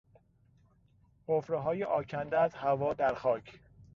حفرههای آکنده از هوا در خاک